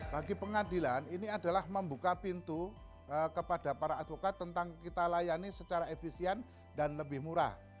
bagi pengadilan ini adalah membuka pintu kepada para advokat tentang kita layani secara efisien dan lebih murah